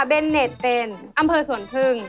เบนเนตเตนอำเภอสวนพึ่ง